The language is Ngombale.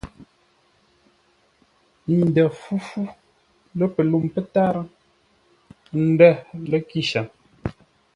Ə̂ ndə̂ fúfú lə̂ pəlûm pə́tárə́ ə̂ ndə̂ lə̂ kíshəm.